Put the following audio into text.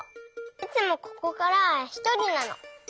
いつもここからはひとりなの。